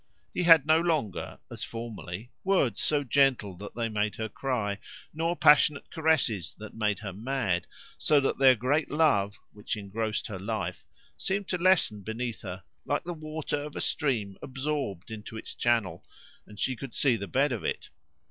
He had no longer, as formerly, words so gentle that they made her cry, nor passionate caresses that made her mad, so that their great love, which engrossed her life, seemed to lessen beneath her like the water of a stream absorbed into its channel, and she could see the bed of it.